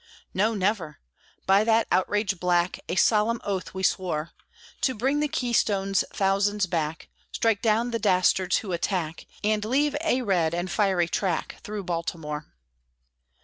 No, never! By that outrage black, A solemn oath we swore, To bring the Keystone's thousands back, Strike down the dastards who attack, And leave a red and fiery track Through Baltimore!